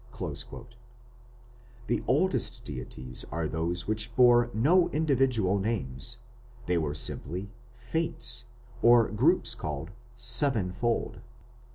" The oldest deities are those which bore no individual names. They were simply "Fates" or groups called "Sevenfold".